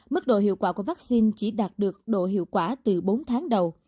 mức độ hiệu quả của vaccine chỉ đạt được độ hiệu quả từ bốn tháng đầu